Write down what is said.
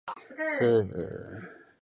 兰屿鱼藤为豆科鱼藤属下的一个种。